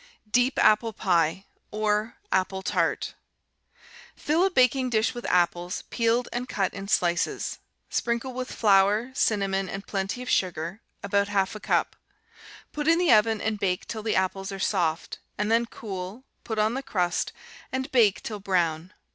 Deep Apple Pie, or Apple Tart Fill a baking dish with apples, peeled and cut in slices. Sprinkle with flour, cinnamon, and plenty of sugar, about half a cup. Put in the oven and bake till the apples are soft, and then cool, put on the crust, and bake till brown.